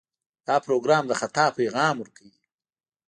دا پروګرام د خطا پیغام ورکوي.